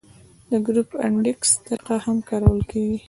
د ګروپ انډیکس طریقه هم کارول کیږي